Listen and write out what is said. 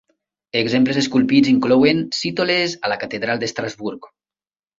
Exemples esculpits inclouen cítoles a la catedral d'Estrasburg.